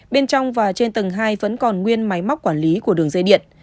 bên trong và trên tầng hai vẫn còn nguyên máy móc quản lý của đường dây điện